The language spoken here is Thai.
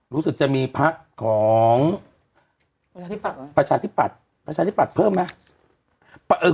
รู้สึกจะมีของประชาหัฐิบัตรเพิ่มไหม